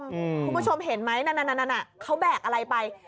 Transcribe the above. คุณผู้ชมเห็นไหมนั่นเขาแบกอะไรไป